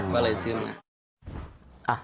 ก็เลยซื้อมา